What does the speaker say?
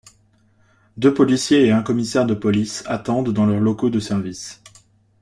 Deux policiers et un commissaire de police attendent dans leurs locaux de service.